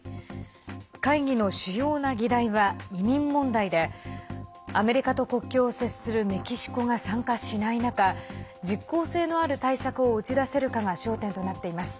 会議の主要な議題は移民問題でアメリカと国境を接するメキシコが参加しない中実効性のある対策を打ち出せるかが焦点となっています。